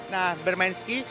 nah bermain ski